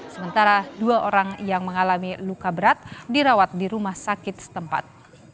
sementara dua orang yang mengalami luka berat dirawat di rumah sakit setempat